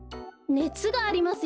ねつがありますよ。